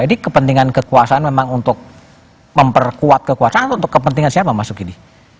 jadi kepentingan kekuasaan memang untuk memperkuat kekuasaan atau untuk kepentingan siapa mas sukidi